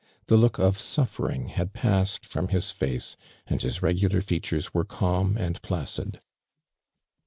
The look of suffering had passed from his face and his regular features wore calm and ])lacid.